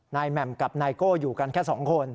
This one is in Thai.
นายแหม่มกับไนโกอยู่กันแค่สองคน